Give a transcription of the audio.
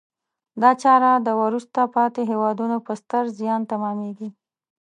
دا چاره د وروسته پاتې هېوادونو په ستر زیان تمامیږي.